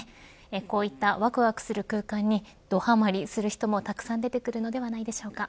こういった、わくわくする空間にドはまりする人も、たくさん出てくるのではないでしょうか。